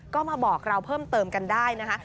ก็มาบอกเราเพิ่มเติมกันได้นะคะ